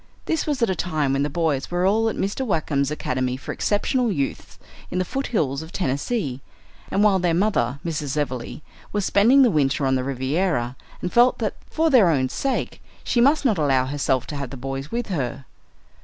This was at a time when the boys were all at Mr. Wackem's Academy for Exceptional Youths in the foothills of Tennessee, and while their mother, Mrs. Everleigh, was spending the winter on the Riviera and felt that for their own sake she must not allow herself to have the boys with her.